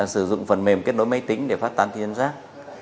sử dụng phần mềm kết nối máy tính để phát tán tin rác